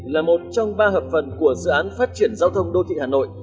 là một trong ba hợp phần của dự án phát triển giao thông đô thị hà nội